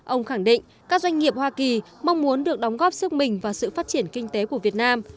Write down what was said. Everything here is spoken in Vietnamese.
ông khẳng định các doanh nghiệp hoa kỳ mong muốn được đóng góp sức mình vào sự phát triển kinh tế của việt nam